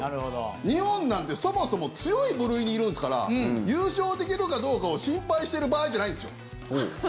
日本なんて、そもそも強い部類にいるんですから優勝できるかどうかを心配してる場合じゃないんですよ。